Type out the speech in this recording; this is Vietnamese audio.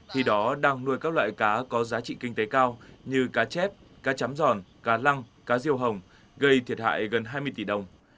khi đó đang nuôi các loại cá có giá trị kinh tế cao như cá chép cá chám giòn cá lăng cá riêu hồng gây thiệt hại gần hai mươi tỷ đồng